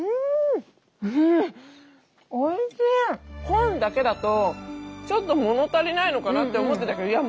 コーンだけだとちょっと物足りないのかなって思ってたけどいや